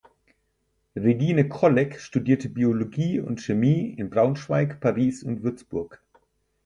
Regine Kollek studierte Biologie und Chemie in Braunschweig, Paris und Würzburg.